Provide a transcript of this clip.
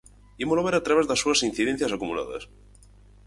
Ímolo ver a través das súas incidencias acumuladas...